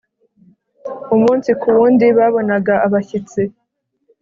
Umunsi ku wundi babonaga abashyitsi